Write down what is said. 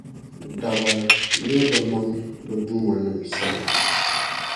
daba nya bɛmaŋ’ bɛ duumanim’ sani.